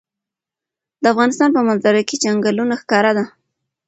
د افغانستان په منظره کې چنګلونه ښکاره ده.